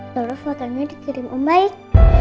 terus fotonya dikirim om baik